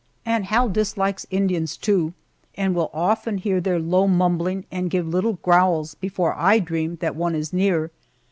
And Hal dislikes Indians, too, and will often hear their low mumbling and give little growls before I dream that one is near.